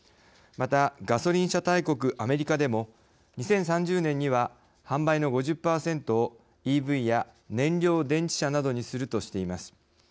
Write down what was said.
またガソリン車大国、アメリカでも２０３０年には販売の５０％をＥＶや燃料電池車などにするとしています。